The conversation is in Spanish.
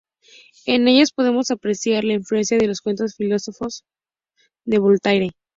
En ellas podemos apreciar la influencia de los cuentos filosóficos de Voltaire.